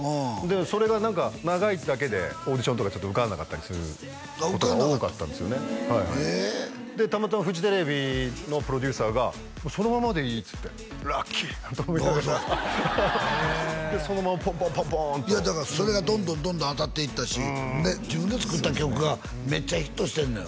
それが何か長いだけでオーディションとか受からなかったりすることが多かったんですよねでたまたまフジテレビのプロデューサーが「そのままでいい」っつってラッキーなんて思いながらそのままポンポンポンポンといやだからそれがどんどんどんどん当たっていったし自分で作った曲がめっちゃヒットしてんのよ